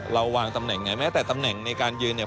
เราวางตำแหน่งไงแม้แต่ตำแหน่งในการยืนเนี่ย